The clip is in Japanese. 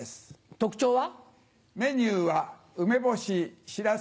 特徴は？